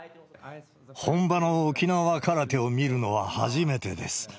本場の沖縄空手を見るのは初めてです。